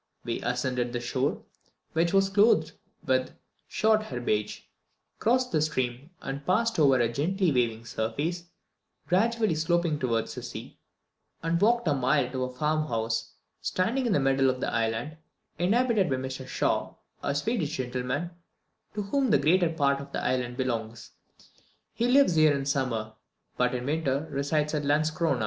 We ascended the shore, which is clothed with short herbage, crossed the stream, and passed over a gently waving surface, gradually sloping towards the sea, and walked a mile to a farm house, standing in the middle of the island, inhabited by Mr Schaw, a Swedish gentleman, to whom the greater part of the island belongs. He lives here in summer, but in winter resides at Landscrona.